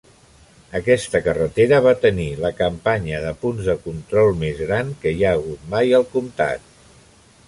Aquesta carretera va tenir la campanya de punts de control més gran que hi ha hagut mai al comtat.